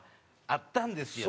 あったんですよ。